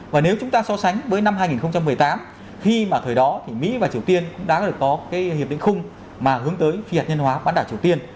và nếu chúng ta so sánh với năm hai nghìn một mươi tám khi mà thời đó thì mỹ và triều tiên cũng đã có cái hiệp định khung mà hướng tới phi hạt nhân hóa bán đảo triều tiên